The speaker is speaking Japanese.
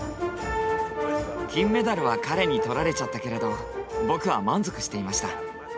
金メダルは彼に取られちゃったけれど僕は満足していました。